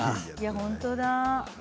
本当だ。